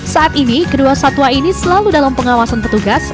saat ini kedua satwa ini selalu dalam pengawasan petugas